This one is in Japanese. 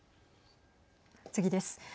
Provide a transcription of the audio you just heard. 次です。